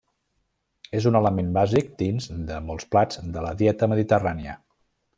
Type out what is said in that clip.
És un element bàsic dins de molts plats de la dieta mediterrània.